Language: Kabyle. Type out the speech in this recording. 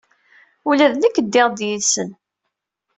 Ula d nekk ddiɣ-d yid-nsen.